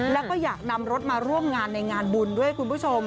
แล้วก็อยากนำรถมาร่วมงานในงานบุญด้วยคุณผู้ชม